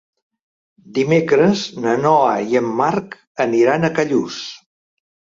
Dimecres na Noa i en Marc aniran a Callús.